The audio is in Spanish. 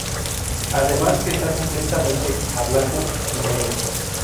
Además que está completamente a blanco y negro.